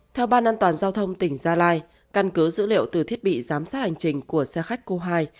theo ban an toàn giao thông tỉnh gia lai căn cứ dữ liệu từ thiết bị giám sát hành trình của xe khách cô hai